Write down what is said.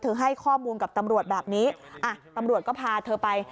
ให้ข้อมูลกับตำรวจแบบนี้อ่ะตำรวจก็พาเธอไป